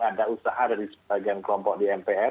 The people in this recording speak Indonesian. ada usaha dari sebagian kelompok di mpr